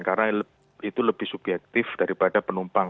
karena itu lebih subjektif daripada penumpang